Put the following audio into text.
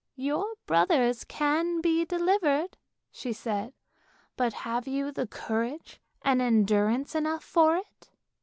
" Your brothers can be delivered," she said, " but have you courage and endurance enough for it?